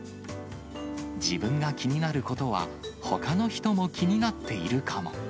自分が気になることはほかの人も気になっているかも。